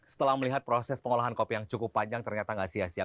setelah melihat proses pengolahan kopi yang cukup panjang ternyata nggak sia sia